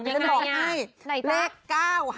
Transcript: ยังไงที่เลข๙๕๑๐